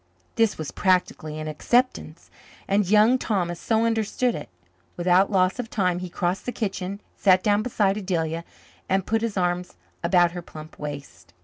This was practically an acceptance, and Young Thomas so understood it. Without loss of time he crossed the kitchen, sat down beside Adelia, and put his arms about her plump waist.